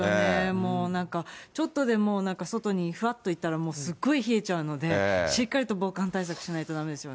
もうなんか、ちょっとでも外にふわっと行ったら、すっごい冷えちゃうので、しっかりと防寒対策しないとだめですよね。